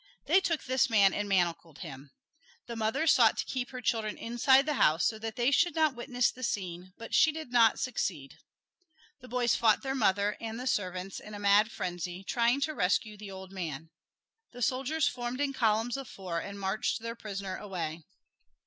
They took this man and manacled him. The mother sought to keep her children inside the house so that they should not witness the scene, but she did not succeed. The boys fought their mother and the servants in a mad frenzy trying to rescue the old man. The soldiers formed in columns of four and marched their prisoner away.